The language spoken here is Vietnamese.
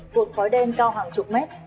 cuộc khói đen cao hàng chục mét